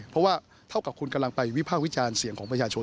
เพราะว่าเท่ากับคุณกำลังไปวิภาควิจารณ์เสียงของประชาชน